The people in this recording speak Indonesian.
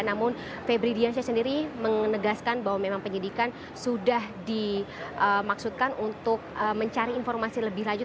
namun febri diansyah sendiri menegaskan bahwa memang penyidikan sudah dimaksudkan untuk mencari informasi lebih lanjut